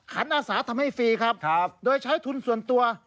อาสาทำให้ฟรีครับโดยใช้ทุนส่วนตัว